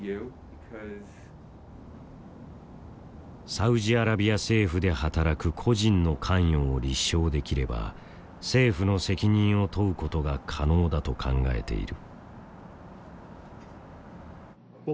サウジアラビア政府で働く個人の関与を立証できれば政府の責任を問うことが可能だと考えている。